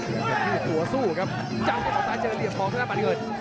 อย่างที่หัวสู้ครับจับให้ต่อซ้ายเจอเหลี่ยมมองข้างหน้าปานเงิน